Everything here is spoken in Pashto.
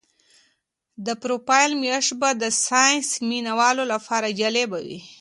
د اپریل میاشت به د ساینس مینه والو لپاره جالبه وي.